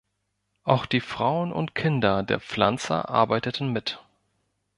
Auch die Frauen und Kinder der Pflanzer arbeiteten mit.